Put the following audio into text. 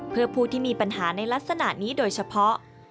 เพื่อผู้ที่มีปัญหาในลักษณะนี้โดยเฉพาะ